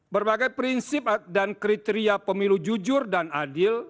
berbagai prinsip dan kriteria pemilu jujur dan adil